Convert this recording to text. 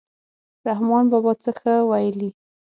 رحمان بابا څه ښه ویلي.